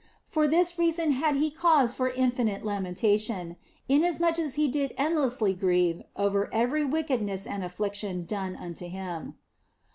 For this reason had He cause for infinite lamentation, inasmuch as He did endlessly grieve over every wickedness and affliction done unto Him.